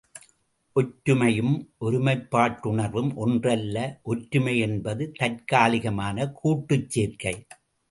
ஒற்றுமையும், ஒருமைப்பாட்டுணர்வும் ஒன்றல்ல ஒற்றுமையென்பது தற்காலிகமான கூட்டுச் சேர்க்கை.